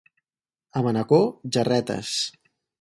A Manacor, gerretes.